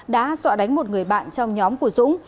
đã dọa đánh một người bạn trong nhóm của dũng